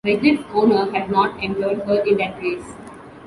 Regret's owner had not entered her in that race.